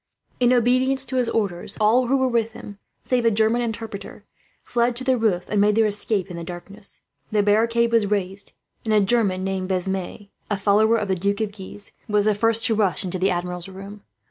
In obedience to his orders, all who were with him, save a German interpreter, fled to the roof and made their escape in the darkness. The barricade was carried, and a German named Besme, a follower of the Duke of Guise, was the first to rush into the Admiral's room.